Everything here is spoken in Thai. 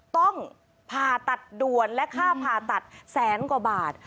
ต้องผ่าตัดด่วนและค่าผ่าตัดแสนกว่าบาท